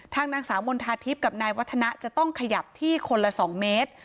นางสาวมณฑาทิพย์กับนายวัฒนะจะต้องขยับที่คนละ๒เมตร